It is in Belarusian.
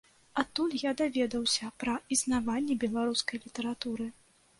Адтуль я даведаўся пра існаванне беларускай літаратуры.